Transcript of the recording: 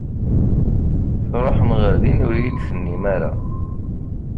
Tṛuḥem ɣer din ur iyi-d-tennim ara!